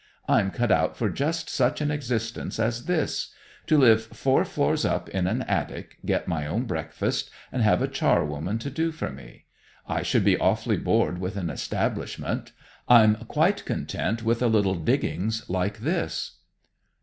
I'm cut out for just such an existence as this; to live four floors up in an attic, get my own breakfast, and have a charwoman to do for me. I should be awfully bored with an establishment. I'm quite content with a little diggings like this."